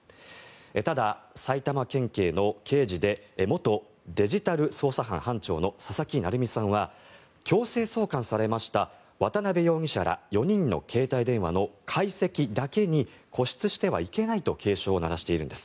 ただ、埼玉県警の刑事で元デジタル捜査班班長の佐々木成三さんは強制送還されました渡邉容疑者ら４人の携帯電話の解析だけに固執してはいけないと警鐘を鳴らしているんです。